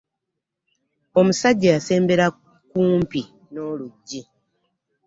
Omusajja yasembera kumpi n'oluggi.